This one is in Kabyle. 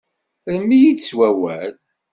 Rrem-iyi-d s wawal.